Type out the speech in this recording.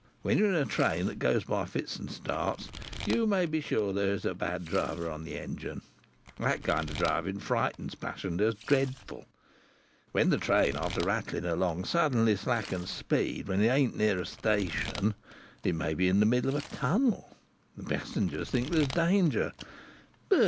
When you're in a train that goes by fits and starts, you may be sure that there is a bad driver on the engine. That kind of driving frightens passengers dreadful. When the train, after rattling along, suddenly slackens speed when it ain't near a station, it may be in the middle of a tunnel, the passengers think there is danger.